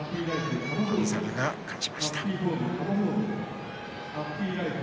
翔猿が勝ちました。